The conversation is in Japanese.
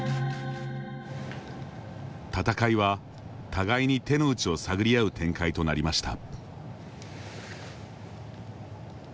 戦いは、互いに手の内を探り合う展開となりました。